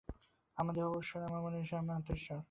আমার দেহও ঈশ্বর, আমার মনও ঈশ্বর, আমার আত্মাও ঈশ্বর।